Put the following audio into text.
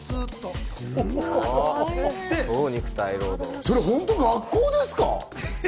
それ本当、学校ですか？